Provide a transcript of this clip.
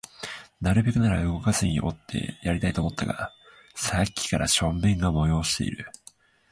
なるべくなら動かずにおってやりたいと思ったが、さっきから小便が催している